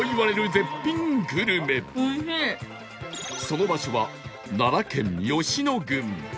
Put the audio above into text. その場所は奈良県吉野郡